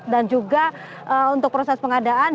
dan juga untuk proses pengadaan